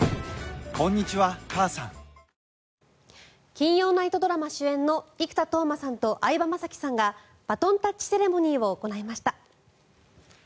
金曜ナイトドラマ主演の生田斗真さんと相葉雅紀さんがバトンタッチセレモニーを行いました。